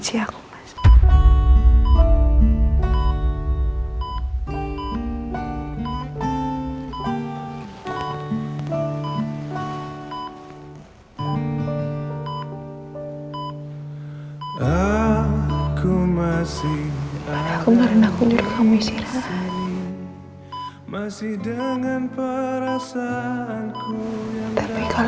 tak berubah dan tak pernah